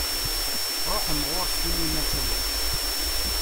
Ruḥem ɣur-s tinim-as aya.